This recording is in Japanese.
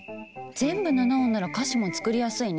全部７音なら歌詞も作りやすいね。